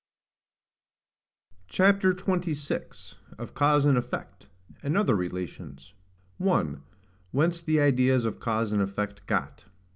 CHAPTER XXVI. OF CAUSE AND EFFECT, AND OTHER RELATIONS. 1. Whence the Ideas of cause and effect got.